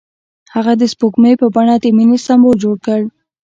هغه د سپوږمۍ په بڼه د مینې سمبول جوړ کړ.